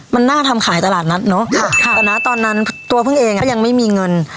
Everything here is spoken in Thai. มันน่าทำขายตลาดนัดเนอะแต่นะตอนนั้นตัวพึ่งเองก็ยังไม่มีเงิน